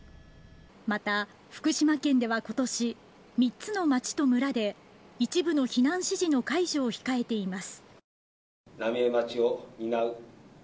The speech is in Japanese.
また福島県では今年３つの町と村で一部の避難指示の解除を控えています。